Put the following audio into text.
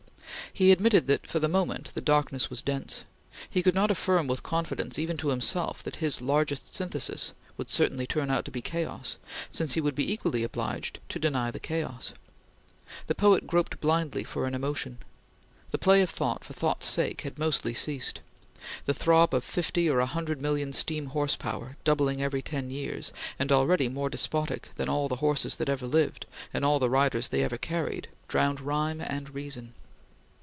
He admitted that, for the moment, the darkness was dense. He could not affirm with confidence, even to himself, that his "largest synthesis" would certainly turn out to be chaos, since he would be equally obliged to deny the chaos. The poet groped blindly for an emotion. The play of thought for thought's sake had mostly ceased. The throb of fifty or a hundred million steam horse power, doubling every ten years, and already more despotic than all the horses that ever lived, and all the riders they ever carried, drowned rhyme and reason.